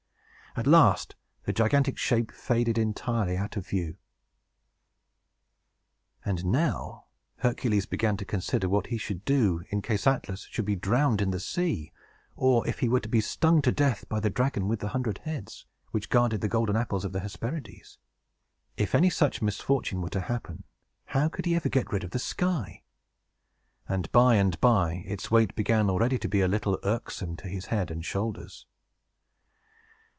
At last the gigantic shape faded entirely out of view. And now Hercules began to consider what he should do, in case Atlas should be drowned in the sea, or if he were to be stung to death by the dragon with the hundred heads, which guarded the golden apples of the Hesperides. If any such misfortune were to happen, how could he ever get rid of the sky? And, by the by, its weight began already to be a little irksome to his head and shoulders.